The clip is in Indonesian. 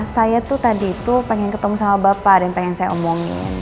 saya tuh tadi itu pengen ketemu sama bapak dan pengen saya omongin